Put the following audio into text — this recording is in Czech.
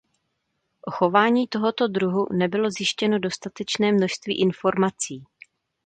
O chování tohoto druhu nebylo zjištěno dostatečné množství informací.